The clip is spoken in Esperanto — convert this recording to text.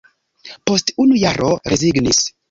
Post unu jaro rezignis.